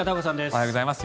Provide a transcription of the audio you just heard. おはようございます。